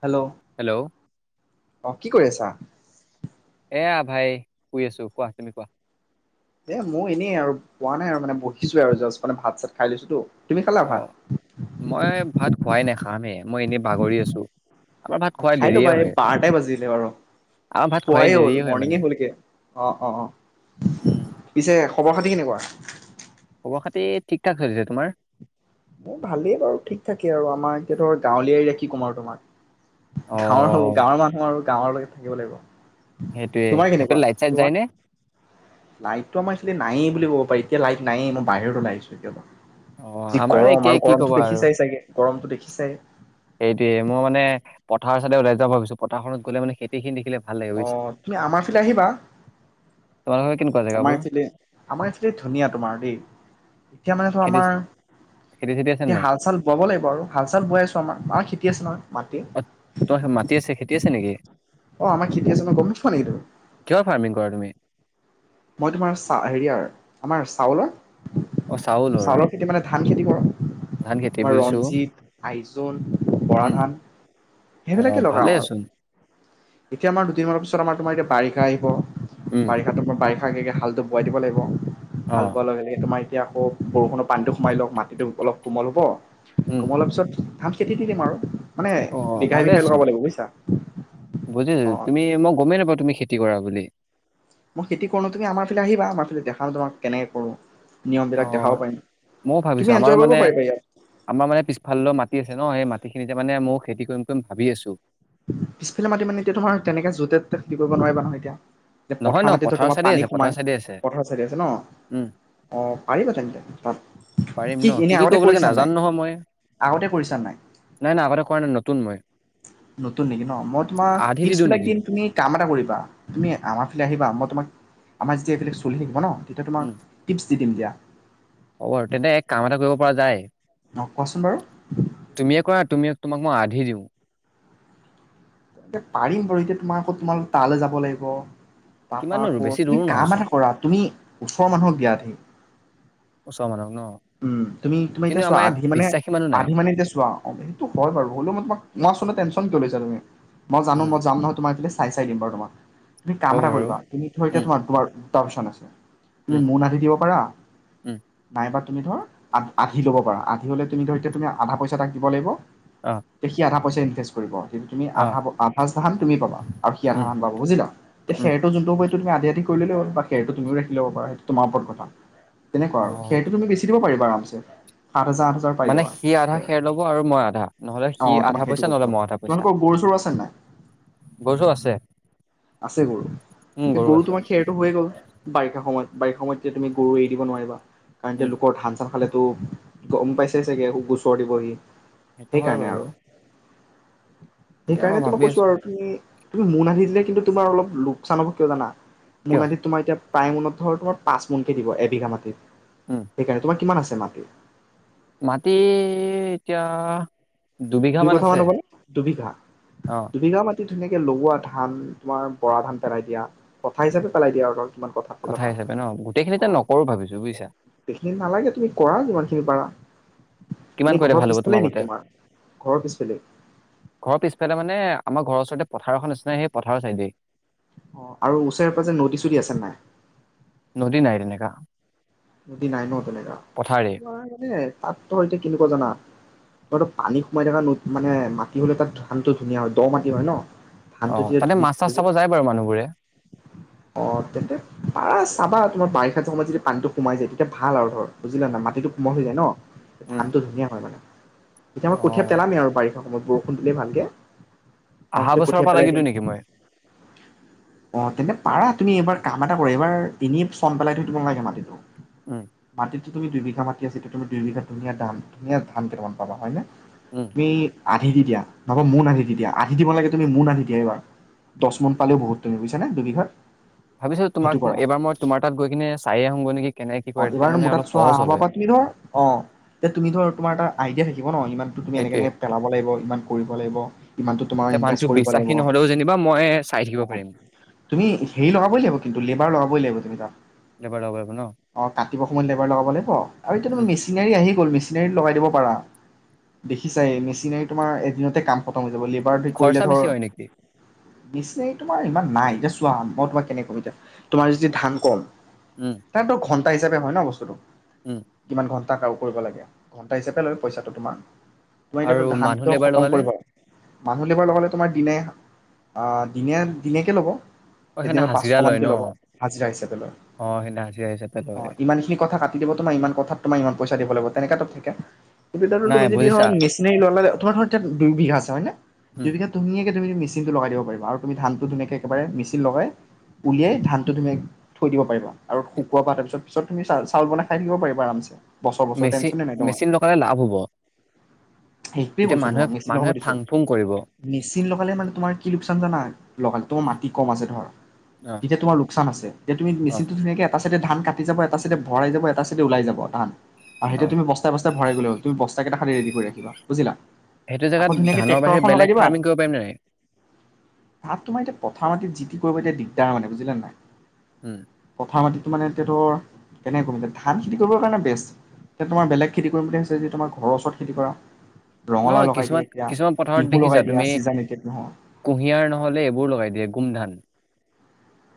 Hello hello অ', কি কৰি আছা? [inaudible] [unintelligible] এয়া ভাই শুই আছো কোৱা তুমি কোৱা এয়া মইও এনেই আৰু শুৱা নাই আৰু মানে বহিছোঁ এ আৰু জাষ্ট, মানে ভাত চাত খাই লৈছো তো। অ' মই ভাত খোৱাই নাই খাম হে, মই এনেই বাগৰি আছোঁ। খাই ল'বা, এ বাৰটাই বাজিলে আৰু আমাৰ ভাত খোৱাই পুৱাই হ'ল দেৰিয়ে হয় মানে মৰ্ণিঙে হ'লগে। অ' অ'। উম পিছে খবৰ-খাতি কেনেকুৱা? খবৰ খাতি ঠিক ঠাক চলিছে, তোমাৰ? মোৰ ভালেই বাৰু ঠিক ঠাকে আৰু আমাৰ এতিয়া ধৰ গাঁৱলীয়া কি ক'ম আৰু তোমাক? অ গাঁৱৰ হওঁ গাঁৱৰ মানুহ আৰু গাঁৱৰলৈ থাকিব লাগিব। সেইটোয়ে তোমাৰ এটো কেনেকুৱা লাইট চাইট যায় তোমাৰ নে? লাইটটো আমাৰ এইখিনিত নায়েই বুলি ক'ব পাৰি, এতিয়া লাইট নায়েই! মই বাহিৰত ওলাই আহিছোঁ অ এতিয়া যি আমাৰো গৰম একেই আৰু কি গৰমটো ক'বা দেখিছাই চাগে। গৰমটো দেখিছাই। সেইটোৱে মই মানে পথাৰৰ চাইদে ওলাই যাওঁ ভাবিছোঁ, পথাৰখনত গ'লে মানে খেতিখিনি দেখিলে ভাল লাগে বুজিছা অ' তুমি আমাৰ এইফালে আহিবা, তোমালোকৰ কেনেকুৱা আমাৰ জেগাবোৰ এইফালে! আমাৰ এইফালে ধুনীয়া তোমাৰ দেই। এতিয়া মানে ধৰ খেতি আমাৰ খেতি চেতি আছে নে এতিয়া নাই হাল চাল বাব লাগিব আৰু হাল চাল বোৱাই আছোঁ, আমাৰ মাৰ খেতি আছে নহয়। মাটি অ' তই মাটি আছে, খেতি আছে নেকি? অ' আমাৰ খেতি আছে নহয়, গম নোপোৱা নেকি তুমি? কিহৰ ফাৰ্মিং কৰা তুমি মই তোমাৰ চা, হেৰিয়াৰ আমাৰ চাউলৰ। চাউলৰ খেতি মানে ধান খেতি কৰোঁ, ধান খেতি তোমাৰ বুজিছো ৰঞ্জিত, আইজল, বৰা উম ধান। সেইবিলাকে অ', লগাও আৰু। ভালেচোন। এতিয়া আমাৰ দুদিনমানৰ পিছত আমাৰ, তোমাৰ এতিয়া বাৰিষা আহিব। উম, বাৰিষাটো বাৰি হালটো বোৱাই দিব লাগিব। হাল অ', বোৱা লগে লগে তোমাৰ এতিয়া আকৌ বৰষুণৰ পানীটো সোমাই লওঁক, মাটিটো অলপ কোমল হ'ব। উম। কোমলৰ পিছত ধাম খেতি কি দিম আৰু মানে। অ', সেই বিষয়ে ভালেচোন লখাব লাগিব বুইছা। উ [unintelligible] বুজিছো, তুমি মই গমেই নাপাওঁ তুমি খেতি কৰা বুলি।। বুলি। মই খেতি কৰো তুমি আমাৰ ফালে আহিবা আমাৰ ফালে দেখাওঁ তোমাক কেনেকে কৰো। অ নিয়মবিলাক দেখাব পাৰিম ময়ো তুমি ভাবিছো আমাৰ এনজয় কৰিব মানে পাৰিবা ইয়াত আমাৰ মানে পিছফাল মা- মাটি আছে ন সেই মাটিখিনিতে মানে ময়ো খেতি কৰিম কৰিম ভাবি আছোঁ। পিছফালে মাতি মানে এতিয়া তোমাৰ তেনেকে য'তে ত'তে খেতি কৰিব নোৱাৰিবা নহয় এতিয়া।। এ নহয় ন পথাৰ মাটিত টো পথাৰৰ তোমাৰ চাইডে পানী আছে পথাৰ সোমাই। চাইডে আছে। পথাৰ চাইডে আছে ন? উম। অ পাৰিবা তেন্তে তাত। পাৰিম ন কি খিনি আগতে কৰিব লাগে কৰিছা নাজানো নাই? নহয় মই আগতে কৰিছা নাই? নাই নাই আগতে কৰা নাই নতুন মই নতুন নেকি ন, মই তোমাক আধি দি টি্পচ দিওঁ বিলাক নেকি? দিম তুমি কাম এটা কৰিবা। তুমি- আমাৰ ফালে আহিবা। মই তোমাক আমাৰ ষ্টেপ বিলাক চলি থাকিব ন? তেতিয়া তোমাক উম। টি্পচ দি দিম দিয়া। হ'ব আৰু, তেন্তে এই কাম এটা কৰিব পৰা যায়। অ কোৱাচোন বাৰু তুমিয়ে কৰা তুমি। তোমাক মই আধি দিওঁ। এতিয়া পাৰিম বাৰু এতিয়া তোমাৰ আকৌ তোমাৰ তালে যাব লাগিব? তা পা কিমাননো আকৌ বেছি তুমি দূৰো কাম নহয়চোন এটা কৰা, তুমি ওচৰৰ মানুহক দিয়া আধি। ওচৰৰ মানুহক ন উম তুমি তুমি কিন্তু এতিয়া চোৱা আমাৰ ইয়াত আধি মানে বিশ্বাসী মানুহ নাই। আধি মানে এতিয়া চোৱা। অ সেইটো হয় বাৰু হ'লেও মই তোমাক মই আচলতে টেনচন।। ছা তুমি [unintelligible] মই জানো উম, মই যাম নহয় তোমাৰ এটলিস্ট চাই চাই দিম বাৰু তোমাক। তুমি কাম হ'ব এটা বাৰু কৰিবা তুমি টো উম। এতিয়া তোমাৰ মাৰ। তাৰপিচত আছে। তুমি উম, মোন আনি দিব পাৰা। উম, নাইবা।। তুমি ধৰ আ আধি লব পৰা। আধি হলে তুমি ধৰ এতিয়া তুমি আধা পইচা তাক দিব লাগিব। অ', দেখি আধা। পইচা ইনভেষ্ট কৰিব। তুমি আধা অ'। ফাষ্টৰ ধান তুমি পাবা, আৰু সি আধা উম, ধান পাব বুজিলা। উম। সেইটো যোনটো মই।। তুমি আধি আধি কৰি ললে হ'ল, বা খেৰটো তুমিও ৰাখি লব পাৰা। সেইটো তোমাৰ ওপৰত কথা। তেনেকুৱা আৰু অ', সেইটো তুমি বেছি।। দিব পাৰিব আৰামছে।। হাজাৰ আঠ হাজাৰ পাই মানে যাবা সি আধা খেৰ লব আৰু মই আধা নহলে অ সি তোমাক আধা সেইটো পইচা কৈছো নহলে মই আধা পইচা। তোমালোকৰ গৰু চৰু আছে নাই বর্জো আছে আছে গৰু উম, এ গৰু তো আছে। বা খেৰটো হৈয়ে গ'ল বাৰিষা। সময়ত বাৰি সময়ত যে তুমি গৰু এৰি দিব নোৱাৰিবা। কাৰণ এতিয়া উম। লোকৰ ধান চান খালে! তো গম পাইছে চাগে ও গোচৰ দিবহি। সেইটো হয় সেইকাৰণে বাৰু আৰু [unintelligible] এতিয়া মই সেইকাৰণে তোমাক ভাবি কৈছো আছোঁ, আৰু তুমি তুমি ম আহিিলে কিন্তু তোমাৰ অলপ লোকচান হ'ব কিয় জানা? মোৰ কিয়? নাহিল তোমাৰ এতিয়া প্ৰায় মোনত ধৰ তোমাৰ পাঁচ মোনকে দিব এবিঘা মাটিত। সেইকাৰণে তোমাৰ কিমান আছে? মাকি মাটিৰ এতিয়া দুবিঘা দুই কথা মান আছে, হ'বনে দুবিঘা। অ'। দু-দুবিঘা মানে? তুমি ধুনীয়াকে লগোৱা ধান তোমাৰ বৰা ধান পেলাই দিয়া, কথা হিচাপে পেলাই দিয়া আৰু কিমান কঠা কথা পেলাবা হিচাপে ন, গোটেইখিনিতে নকৰো ভাবিছো বুজিছা। এইখিনি নালাগে, তুমি কৰা যিমানখিনি পাৰা। কিমান এনেই কৰিলে ঘৰৰ ভাল হ'ব পিছফালে তোমাৰ নেকি মতে, ঘৰৰ পিছফালে? ঘৰৰ পিছফালে মানে আমাৰ ঘৰৰ ওচৰতে পথাৰ এখন নহয়, সেই পথাৰৰ চাইদেই অ, আৰু ওচৰে পাজৰে নদী চদী আছে নাই? নদী নাই তেনেকুৱা নদী নাই ন তেনেকোৱা। এ তাত তোমাৰ কি-কি বুলি কয় জানা? তো পানী সোমাই থকা নো মানে মাটি হ'লে তাত ধানটো ধুনীয়া হয় দ মাটি হয় ন অ, ধানটো তেতিয়া তাতে ধুনীয়া মাছ হয় চাছ চাব বুজিলা যায় বাৰু মানুহবোৰে। অ, তেন্তে পাৰা চাবা তোমাৰ বাৰিষা সময়ত যদি পানীটো সোমাই যায় তেতিয়া ভাল আৰু ধৰ, বুজিলা ন মাটিটো কোমল হৈ যায় ন। উম। ধানটো ধুনীয়া হয় মানে। এতিয়া মই কঠীয়া অ', পেলামেই আৰু বাৰিষা সময়ত বৰষুণ দিলে ভালকে। আহা তচতে বছৰৰ পঠিয়াই পৰা পেলাই লাগি দিম দিওঁ নেকি মই? অ তেন্তে তুমি এইব কামটা কৰা এইবাৰ এনেই ফোন পেলাইো তোমাল লগাগে মাতিটো উম, বাতিত যিটো তুমি দুই বিঘা মাটি আছে হেতুক তুমি দুইবিঘা ধুনীয়া ধাম ধুনীয়া ধান কেইটামান পাবা হয় নে উম, কি, আধি দি দিয়া। নহবা মোন আধি দি দিয়া। আধি দিব নালাগে তুমি, মোন আধি দিয়া এইবাৰ। দশ মোন পালেও বহুত তুমি বুজিছা নে দুইবিঘাত। ভাবিছো তোমাক, এইবাৰ মই তোমাৰ তাত গৈ কিনে চাইয়ে আহোঁগৈ নেকি। কেনেকে কি অ কৰে তেতিয়া এইবাৰ মানে মোৰ অলপ তাত চোৱা। সহজ অহা হ'ল বাৰৰ হয়। পৰা তুমি ধৰা, অ তুমি ধৰা তোমাৰ এটা। আইডিয়া থাকিব। ক'ব ন, ইমানটো তুমি এনেকে সেইটোয়ে এনেকে পেলাব লাগিব। ইমান কৰিব লাগিব। ইমানটো তোমাৰ এতিয়া ইনভেষ্ট মানুহটো কৰিবই লাগিব। বিশ্বাসী নহ'লেও যেনিবা মই চাই অ থাকিব পাৰিম তুমি হেৰি লগাবই লাগিব কিন্তু। লেবাৰ লগাবই লাগিব তাত লেবাৰ লগাব লাগিব ন। অ কাটিব সময় লেবাৰ লগাব লাগিব আৰু কেইটামান উম, মেচিনাৰী আহি গ'ল মেচি মেচিনাৰী লগাই দিব পাৰা, অ দেখিছাই মেচিনাৰীত তোমাৰ এদিনতে কাম খতম হয় যাব লেবাৰ। বা সি কৰিলে খৰচা ধৰ, বেছি হয় নেকি? পিছে তোমাৰ ইমান নাই দিয়াচোন। চোৱা, মই তোমাক কেনেকে কম এতিয়া। তোমাৰ যদি ধান কম। উম, তটো ঘন হে হিচাপে হয় ন বস্তুটো। উম, কিমান ঘন? তাত আৰু কৰিব লাগে। ঘণ্টা হিচাপে লয়, পইছাটো তোমাৰ। তুমি আৰু এতিয়াতো মানুহ ধানটোত লেবাৰ খতম লগালে কৰিবা মানুহ লেবাৰ লগালে তোমাৰ, দিনে আ দিনে দিনেকৈ ল'ব। অ সেইনা এদিনত পাঁচশ হাজিৰা লয় মানকে ল'ব ন হাজিৰা হিচাপে লয় অ সেইনা হাজিৰা হিচাপ অ ইমান খিনি কঠা কাটি দিব। তোমাৰ ইমান কঠাত, তোমাৰ ইমান পইচা দিব লাগিব। তেনেকেত। ঠিকে। গোটেইটো নাই তুমি যদি বুজিছা হয় মেচনাৰী ল'লো তোমাৰ ধৰা দুইবিঘা আছে। হয়নে? উম, দুইবিঘা তুমিয়ে গ তুমি মেচিন টো লগাই দিব পাৰিবা আৰু তুমি ধানটো ধুনিয়াকে একেবাৰে মেচিন লগাই উলিয়াই ধানটো ধুনীয়াকে থৈ দিব পাৰিবা আৰু শুকুৱাবা তাৰ পিছত পিছত তুমি চাউ চাউল বনাই খাই থাকিব পাৰিবা। আৰামছে বছৰ বছৰ মেচি টেনচনে নাই তোমাৰ মেচিন লগালে লাভ হ'ব। সেইটোৱে তেতিয়া কৈছো মানুহে তোমাক। মেচিন লগাব মানুহে দিছো। ফাং ফুং কৰিব। মেচিন লগালে মানে তোমাৰ কি লোকচান জানা? তোমাৰ মাটি কম আছে ধৰ, অ', তেতিয়া তোমাৰ লোকচান লোকচান আছে। এতিয়া তুমি অ', মেচিনটো ধুনীয়াকে এটা চাইডে ধান কাটে এটা চাইডে ভৰাই যাব, এটা চাইডে ওলাই যাব ধান, আৰু সেইটো অ', তুমি বস্তাই বস্তাই ভৰাই গ'লে হ'ল। তুমি বস্তা কেইটা খালি ৰেডী কৰি ৰাখিবা। বুজিলা? সেইটো আকৌ জেগাত ধুনীয়াকে ধানৰ ট্ৰেক্টৰ বাহিৰে এখন লগাই বেলেগ দিবা। ফাৰ্মিং কৰিব পাৰিম নে নাই? ভাত তোমাৰ এতিয়া পথাৰ মাটিত কি কৰিব এতিয়া, দিগদাৰ মানে বুজিলে নাই। উম, কথা মাতি। মানে। সেইটো কেনেকৈ কৰিম যে? খেতি কৰিবৰ কাৰণে বেষ্ট এতিয়া। তোমাৰ বেলেগ খেতি কৰিম বুলি ভাবি যোৱা নেকি? তোমাৰ ঘৰৰ ওচৰত খেতি কৰা। ৰঙালাও নহয়, লগাই দিয়া এতিয়া কিছুমান পথাৰত তিহু লগাই দেখিছা দিয়া তুমি, ছিজন এতিয়া তিহু কুঁহিয়াৰ নহ'লে এইবোৰ লগাই দিয়ে- গুমধান।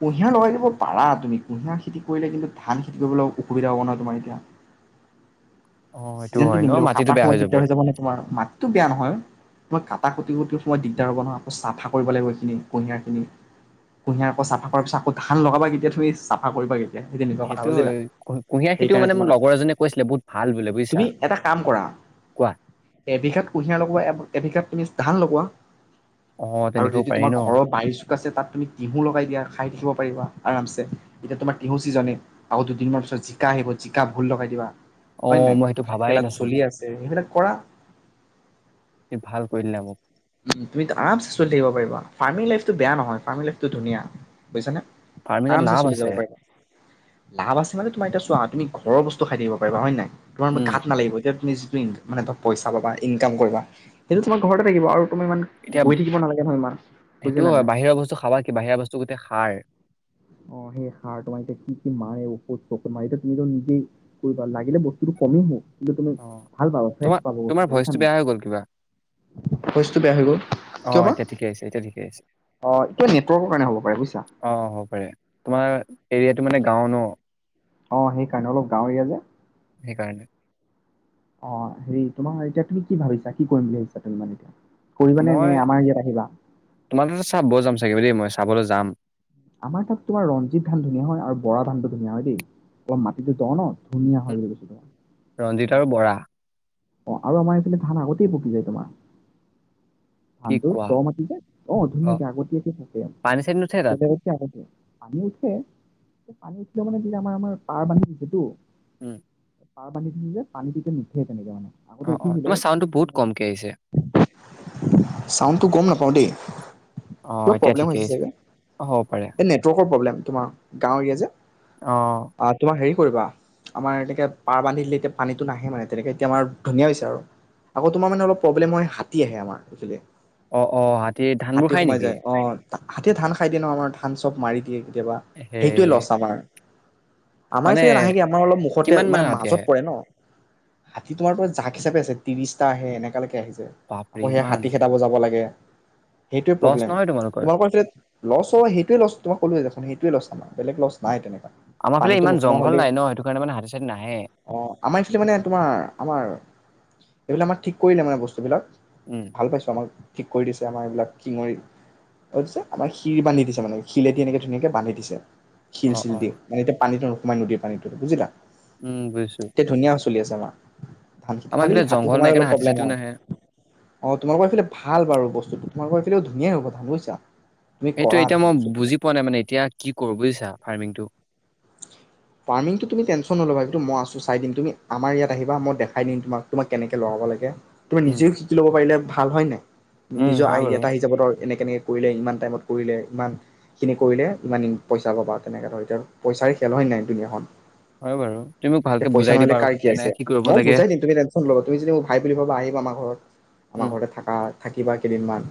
কুঁহিয়াৰ লগাই দিব পাৰা তুমি। কুঁহিয়াৰ খেতি কৰিলে কিন্তু ধান খেতি কৰিবলৈ অসুবিধা হ'ব নহয় তোমাৰ এতিয়া? অ', সেইটো ছিজনটো হয় ন নিমিলিবৰ মাটিটো কটা বেয়া সময়ত দিগদাৰ হৈ যাব নহয় তোমাৰ? মাটিটো বেয়া নহয়। তোমাৰ কাত তাক কুটি-কুটিৰ সময়ত দিগদাৰ হ'ব নহয়। আকৌ চাফা কৰিব লাগিব তুমি এইখিনি কুঁহিয়াৰখিনি। কুঁহিয়াৰ আকৌ চাফা কৰাৰ পিছত আকৌ ধান লগাবা কেতিয়া? তুমি চাফা কৰিব লাগিব। সেইটো। কুঁহিয়াৰ খিতিও সেইকাৰণে মান মোৰ তোমাৰ লগৰ এজনে কৈছিলে বহুত ভাল বুলি তুমি এটা কাম কৰা, এবিঘাত কুঁহিয়াৰ লগোৱা এ এবিঘাত তুমি ধান লগোৱা। অ', আৰু তেনেকেও যদি পাৰি তোমাৰ ন। ঘৰৰ বাৰি চোক আছে, তাত তুমি হু লগাই দিয়া, খাই থাকিব পাৰিবা। আৰামছে। এতিয়া তোমাৰ তিয়হুৰ ছিজন, আকৌ দুদিনমানৰ পিছত জিকা আহিব। জিকাও লগাই দিবা। হয় অঁ, নাই মই সেইটো ভাত ভাবাই কেৰেলাটো চলি নাছিলোঁ। আছে সেইবিলাক কৰা তুমি ভাল কৰিলা। তুমি আৰামছে চলি থাকিব পাৰিবা। ফাৰ্মিং লাইফটো বেয়া নহয়, ফাৰ্মিং লাইফটো ধুনীয়া। বুজিছানে? ফাৰ্মিঙত আমছে লাভ চলি যাব আছে পাৰিবা লাভ আছে মানে তোমাৰ এতিয়া চোৱা তুমি ঘৰৰ ব্তু খাই দিবাৰিব হয় নাই তোমাৰ উম। গাত নালাগিব এতিয়া। প্লিজ মানে তুমি পইচা পাবা, ইনকাম কৰিবা। সেইটো তোমাৰ ঘৰতে থাকিব আৰু কি। এতিয়া সেইটো বুজিলা হয়, নাই বাহিৰৰ বস্তু খাবা কি? বাহিৰৰ বস্তু গোটেই সাৰ। অঁ, সেই সাৰ তোমাৰ এতিয়া কি কি মাৰে, ঔষধ-চকুধো মাৰে। এতিয়া তুমি নিজেই কৰিব লাগিলে বস্তুতটো কমি হ'ব। মানে তুমি অ'। ভাল পাবা, ফ্ৰেছ তোমাৰ পাবা। তোমাৰ বুজিছা ভইচটো নে নাই? বেয়া হৈ গ'ল কিবা। ভইচটো বেয়া হৈ গ'ল অ', কিয়বা। এতিয়া ঠিকে আহিছে এতিয়া ঠিকে আহিছে। অ', কিবা নেটৱৰ্কৰ কাৰণে হ'ব পাৰে। বুজিছা? অ', হ'ব পাৰে তোমাৰ এৰিয়াটো মানে গাঁও নহ্। অ সেইকাৰণে অলপ গাঁও এৰিয়া যে। সেইকাৰণে। অ', হেৰি, তোমাৰ এতিয়া তুমি কি ভাবিছা? কি কৰিম বুলি ভাবিছা তুমি মানে এতিয়া? কৰিবানে নে মই আমাৰ ইয়াত আহিবা তোমাক চাবলৈ যাম চাগে দেই। চাবলৈ যাম। যাম। আমাৰ তাত তোমাৰ ৰঞ্জিত ধান ধুনীয়া হয় আৰু বৰা ধানটো ধুনীয়া হয় দেই অলপ মাটিটো ধুনীয়া হাল বুলি কৈছিলে ৰঞ্জিত ধান। আৰু বৰা। অ আৰু আমাৰ এইফালে ধানা অতিই পকি যায় তোমাৰ। কি ধানটো কোৱা? দ' মাটি যে, অহ, অ', ধুনীয়াকে আগতীয়াকে পকে, পানী চানী নুঠে তাত? বেলেগতকৈ‌‌ আগতে, পানী উঠে। পানী উঠিলেও মানে তেতিয়া আমাৰ-আমাৰ পাৰ বান্ধি থৈছেতো। উম। পাৰ পানীটোল যে পানী পতিতে নুঠে তেনেকে মানে আগতে অ', অ', উঠিছিলে, তোমাৰ চাউণ্ডটো বহুত কমকে আহিছে। চাউণ্ডটো গম নাপাও দেই। অ', কিবা এতিয়া প্ৰব্লেম ঠিকে হৈছে আহিছে। চাগে, অ', হ'ব পাৰে। এই নেটৱৰ্কৰ প্ৰব্লেম। তোমাৰ, গাঁও এৰিয়া যে। অ'। আহ তোমাৰ হেৰি কৰিবা, আমাৰ এনেকে পাৰ বান্ধ দিলে এতিয়া পানীটো নাহে মানে তেনেকে এতিয়া আমাৰ ধুনীয়া হৈছে আৰু, আকৌ তোমাৰ মানে অলপ প্ৰব্লেম হয় হাতী আহে আমাৰ, এইফালে। অ' অ', হাতীয়ে হাতী ধানবোৰ খাই সোমাই যায় নেকি? অ হাতীয়ে ধান খাই দিয়ে ন, আমাৰ ধান চব মাৰি দিয়েগে। ৱা, সেইটোৱে সেই লছ আমাৰ। আমাৰ মানে এইফালে নাহে কি, আমাৰ অলপ মুখতে, কিমান মানে মান হাতী মাজত আহে? পৰে ন। হাতী তোমাৰ পৰা জাক হিচাপে আছে, ত্ৰিছটা আহে, এনেকালৈকে আহি যা বাপৰে আকৌ সেয়া ইমান। হাতী খেদাব যাব লাগে। সেইটোৱে লছ প্ৰব্লেম, নহয় তোমালোকৰ সেইফালে লছ হয়, সেইটোৱে লছ তোমাক ক'লোৱেই দেখোন, সেইটোৱে লছ আমাৰ, বেলেগ লছ নাই তেনেকে। আমাৰ ফালে পানীতো ইমান নোসোমোৱা জংঘল হ'লেই। নাই ন' সেইটো কাৰণে মানে হাতী চাতী নাহে। অ', আমাৰ এইফালে মানে তোমাৰ, আমাৰ এইফালে আমাৰ ঠিক কৰিলে, মানে বস্তুবিলাক। উম, ভাল পাইছো আমাক ঠিক কৰি দিছে আমাৰ এইবিলাক, [unintelligible] আমাৰ শিল বান্ধি দিছে মানে, শিলেদি এনেকে ধুনীয়াকে বান্ধি দিছে। শিল অ', চিল দি, অ', মানে এতিয়া পানীটো নো তোমাৰ নদীৰ পানীটো, বুজিলা? উম, বুজিছোঁ। এতিয়া ধুনীয়া চলি আছে আমাৰ। ধান খেতি, আমাৰ খালি এইফালে হাতী জংঘল সোমাই নাই অলপ কাৰণে হাতী প্ৰব্লেম চাতিও হয়। নাহে। অ' তোমালোকৰ সেইফালে ভাল বাৰু বস্তুটো তোমালোকৰ সেইফালেও ধুনীয়াই হ'ব ধান বুইছা? সেইটো এতিয়া মই বুজি পোৱা নাই মানে এতিয়া, কি কৰোঁ বুজিছা? ফাৰ্মিংটো। ফাৰ্মিংটো তুমি টেনচন নল'বা, সেইটো মই আছোঁ চাই দিম, তুমি আমাৰ ইয়াত আহিবা, মই দেখাই দিম তোমাক তোমাক কেনেকে লগাব লাগে। তুমি উম, নিজেও শিকি ল'ব পাৰিলে ভাল হয় নাই? উম, নিজৰ হয় আইডিয়া বাৰু, এটা আহি যাব ধৰ এনে কেনেকে কৰিলে, ইমান টাইমত কৰিলে, ইমানখিনি কৰিলে, ইমান ইন-পইচা পাবা, তেনেকে ধৰা এতিয়া, পইচাৰে খেল হয় নাই? দুুনীয়াখন। হয় বাৰু। তুমি মোক এতিয়া ভালকে পইচা বুজাই দিবা নহ'লে আৰু কাৰ কি কেনে আছে, কৰিব মই লাগে। বুজাই দিম তুমি টেনচন নল'বা, তুমি যদি মোক ভাই বুলি ভাবা আহিবা আমাৰ ঘৰত, উম। আমাৰ ঘৰতে থাকা। থাকিবা কেইদিনমান,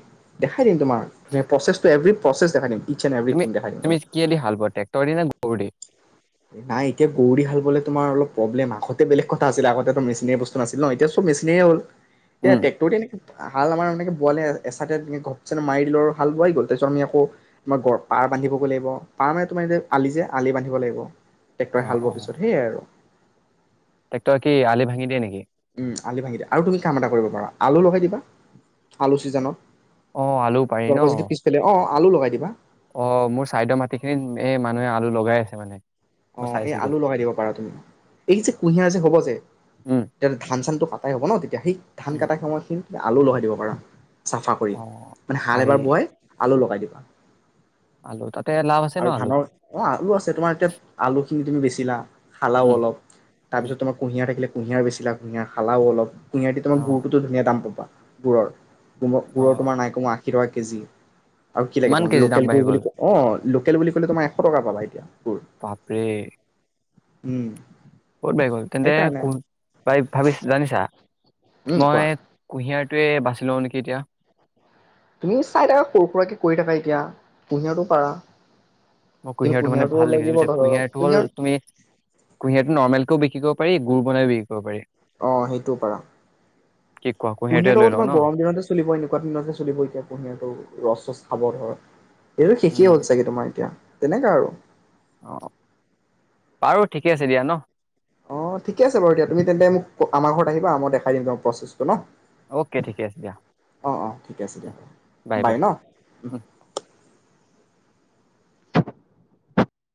দেখাই দিম তোমাক, প্ৰচেছটো এভৰি প্ৰচেছ দেখাই দিম। ইটছ এণ্ড এভৰিথিং দেখাই দিম তোমাক তুমি-তুমি কিহেদি হাল বোৱা, টেক্টৰ দি নে গ'ৰু দি?। নাই, এতিয়া গৰু দি হাল বালে তোমাৰ অলপ প্ৰব্লেম, আগতে বেলেগ কথা আছিল আগতেটো মেচিনেৰি বস্তু নাছিল ন এতিয়া চব মেচিনেৰিয়ে হ'ল। উম। [unintelligible] হাল আমাৰ [inaudible] বোৱালে এচাইতে ঘপচে মাৰিদিলো আৰু হাল বোৱাই গল, তাৰপিছত আমি আকৌ [inaudible] পাৰ বান্ধিব গৈ লাগিব, পাৰ মানে তোমাৰ আলি যে আলি বান্ধিব লাগিব। ট্ৰেক্টৰে হাল বোৱা পিছত, সেয়াই আৰু। টেক্টৰে কি আলি ভাঙি দিয়ে নেকি?। উম, আলি ভাঙি দিয়ে, আৰু তুমি কাম এটা কৰিব পাৰা, আলু লগাই দিবা, আলু চিজনত। অ', আলু পাৰি ন। আলু লগাই দিবা। অ', মোৰ চাইদৰ মাটি খিনিত এ, মানুহে আলু লগাই আছে মানে। মই অঁ', এই চাইছিলো। আলু লগাই দিব পাৰা তুমি, এই যে কুঁহিয়াৰ যে হ'ব যে উম এতিয়া ধান-চানটো কাটাই হ'ব ন তেতিয়া সেই ধান উম। কটাই সময়খিনি আলু, লগাই দিব পাৰা। চাফা কৰি, অ। মানে হাল পাৰি এবাৰ বোৱাই আলু লগাই দি [unintelligible] [unintelligible] ন আৰু আলুত? ধানৰ অ', আলু আছে তোমাৰ এতিয়া আলু [unintelligible] তুমি বেছিলা খালাও উম অলপ, উম তাৰপিছত তোমাৰ কুঁহিয়াৰ থাকিলে কুঁহিয়াৰ বেছিলা, কুঁহিয়াৰ খালাও অলপ। অ [unintelligible] গুৰুতোটো ধুনীয়া দাম পাব। বোৰৰ। তোম-গুৰৰ অ। তোমাৰ নাইকমো আ [inaudible] টকা কেজি। আৰু কি লাগে ইমান তোমাক, কেজি দাম লোকেল গুৰ বাঢ়ি বুলি গ'ল ক অ [inaudible] বুলি ক'লে তমাৰ এশ টকা পাবা এতিয়া। গুৰ বাপৰে। উম। ক'ত বাই গ'ল, তেন্তে ক সেইকাৰণে [inaudible] ভাবিছ-জানিছা। উম কোৱা মই, কুঁহিয়াৰ [inaudible] বাচি লওঁ নেকি এতিয়া। তুমি চাই থাকা, সৰু সুৰাকে কৰি থাকা এতিয়া কুহিয়াৰতো পাৰা। মই কিন্তু কুহিয়াৰটো মানে কুঁহিয়াৰটো ভাল দেখিছো লাগিব বুজিছা, ধৰক কুঁহিয়াৰটো কুঁহিয়াৰ হল তুমি কুঁহিয়াৰটো নৰ্মমেলকেও বিক কি কৰিব পাৰি, গুৰ বনাই বিক্ৰী কৰিব পাৰি। অ সেইটো পাৰা কি কোৱা কুঁহিয়াৰটোৱে কুঁহিয়াৰটো লৈ আকৌ লওঁ তোমাৰ ন? গৰম দিনতে চলিব এনেকুৱা দিনতে চলিব এতিয়া কুঁহিয়াৰটো ৰচ ৰচ খাব ধৰ এইটো শেষেয় হ'ল উম। ছাগে তোমাৰ এতিয়া তেনেকা আৰু অ বাৰু ঠিকে আছে দিয়া ন অ ঠিকে আছে বাৰু দিয়া তুমি তেন্তে মোক আমাৰ ঘৰত আহিবা মই দেখাই দিম তোমাক প্ৰচেছটো ন অ'কে ঠিকে আছে দিয়া অ' অ' ঠিকে আছে দিয়া বাই বাই